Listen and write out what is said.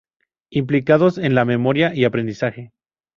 Implicados en la memoria y aprendizaje.